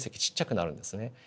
ちっちゃくなるんですね。